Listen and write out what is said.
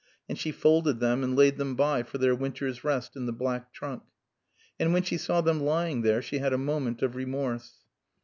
And she folded them and laid them by for their winter's rest in the black trunk. And when she saw them lying there she had a moment of remorse.